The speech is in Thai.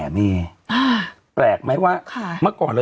เราก็มีความหวังอะ